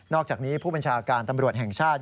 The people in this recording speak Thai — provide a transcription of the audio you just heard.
อกจากนี้ผู้บัญชาการตำรวจแห่งชาติ